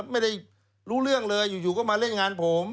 ไม่รู้เรื่องเลยอยู่ก็มาเล่นงานผม